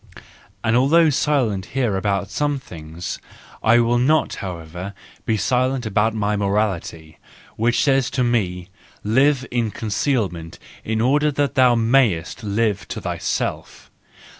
And although silent here about some things, I will not, however, be silent about my morality, which says to me: Live in conceal¬ ment in order that thou mayest live to thyself.